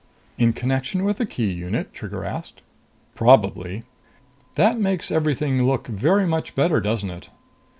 "In connection with the key unit?" Trigger asked. "Probably." "That makes everything look very much better, doesn't it?"